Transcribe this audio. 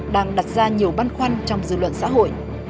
đang đặt ra nhiều băn khoăn trong dư luận xã hội